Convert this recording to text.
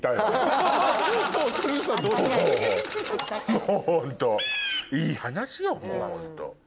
もうホントいい話よもうホント。